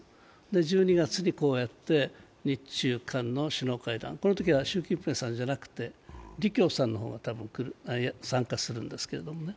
１２月にこうやって日中韓の首脳会談、このときは習近平さんじゃなくて李強さんの方が多分参加するんですけどね。